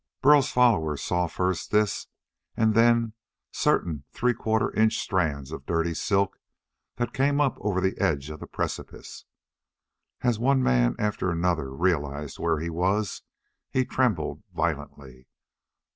Burl's followers saw first this and then certain three quarter inch strands of dirty silk that came up over the edge of the precipice. As one man after another realized where he was, he trembled violently.